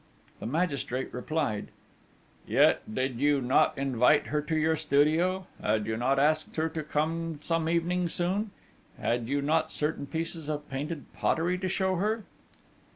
The magistrate replied: 'Yet, did you not invite her to your studio? Had you not asked her to come some evening soon? Had you not certain pieces of painted pottery to show her?'